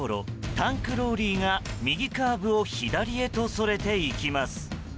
タンクローリーが右カーブを左へとそれていきます。